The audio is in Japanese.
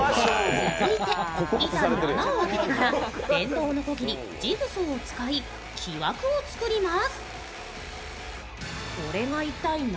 続いて板に穴を開けてたら電動のこぎり・ジグソーを使い、木枠を作ります。